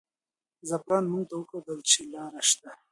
زعفران موږ ته وښودل چې لاره شته.